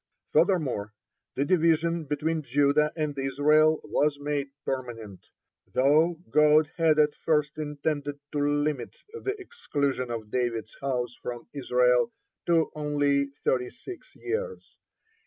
(22) Furthermore, the division between Judah and Israel was made permanent, though God had at first intended to limit the exclusion of David's house from Israel to only thirty six years.